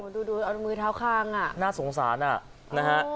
โอ้โฮดูดูเอามือเท้าข้างอ่ะน่าสงสารอ่ะนะฮะโอ้โฮ